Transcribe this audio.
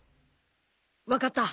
分かった。